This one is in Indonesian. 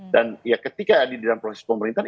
dan ya ketika di dalam proses pemerintahan